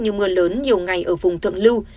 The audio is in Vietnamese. như mưa lớn nhiều ngày ở vùng thượng lưu